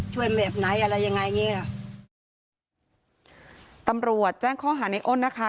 ช่วยเมฆไหนอะไรยังไงอย่างงี้ล่ะตำรวจแจ้งข้อหาเนโอนนะคะ